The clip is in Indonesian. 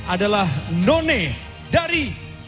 adalah none dari